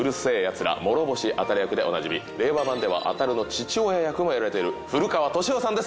諸星あたる役でおなじみ令和版ではあたるの父親役をやられている古川登志夫さんです。